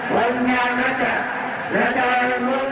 baik ada yang tidak bergabai